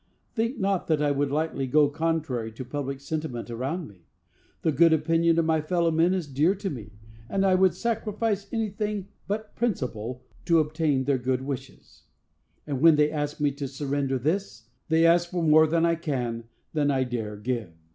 Think not that I would lightly go contrary to public sentiment around me. The good opinion of my fellow men is dear to me, and I would sacrifice anything but principle to obtain their good wishes; but when they ask me to surrender this, they ask for more than I can, than I dare give.